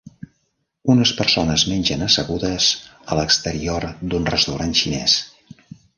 Unes persones mengen assegudes a l'exterior d'un restaurant xinès